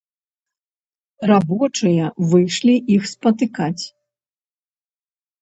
Рабочыя выйшлі іх спатыкаць.